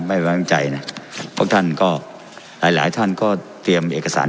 ไม่แม่งใจน่ะเพราะท่านก็หลายหลายท่านก็เตรียมเอกสาร